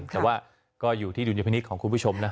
แต่ว่าก็อยู่ที่ดุลยพินิษฐ์ของคุณผู้ชมนะ